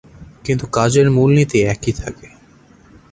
কিন্তু কাজের মূলনীতি একই থাকে।